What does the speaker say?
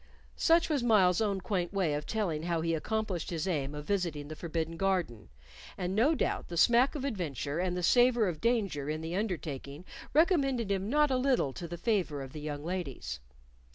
Such was Myles's own quaint way of telling how he accomplished his aim of visiting the forbidden garden, and no doubt the smack of adventure and the savor of danger in the undertaking recommended him not a little to the favor of the young ladies.